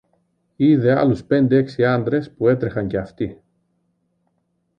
είδε άλλους πέντε-έξι άντρες που έτρεχαν και αυτοί.